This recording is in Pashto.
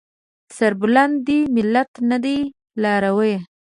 سربلند دې ملت نه دی لارويه